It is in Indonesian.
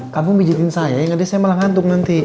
kamu pijetin saya ya gak deh saya malah ngantuk nanti